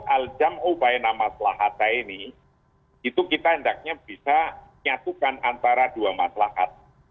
aljam ubaina maslahata ini itu kita tidak bisa menyatukan antara dua maslahat